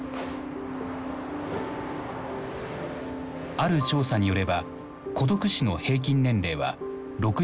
ある調査によれば孤独死の平均年齢は６１．６歳。